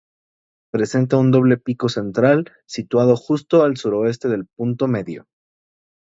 Presenta un doble pico central situado justo al suroeste del punto medio.